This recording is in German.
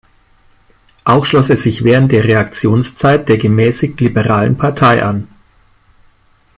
Auch schloss er sich während der Reaktionszeit der gemäßigt-liberalen Partei an.